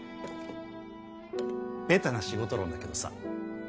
ベタな仕事論だけどさ